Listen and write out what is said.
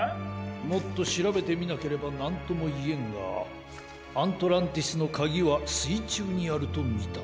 もっとしらべてみなければなんともいえんがアントランティスのかぎはすいちゅうにあるとみた。